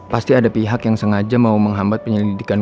pasti ada pihak yang sengaja mau menghambat penyelidikan